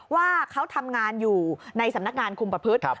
ว่าเขาทำงานอยู่ในสำนักงานคุมประพฤติ